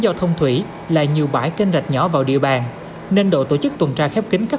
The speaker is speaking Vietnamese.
giao thông thủy là nhiều bãi kênh rạch nhỏ vào địa bàn nên đội tổ chức tuần tra khép kính các